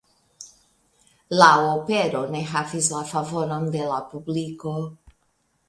La opero ne havis la favoron de la publiko.